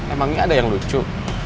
emang gak ada yang lucu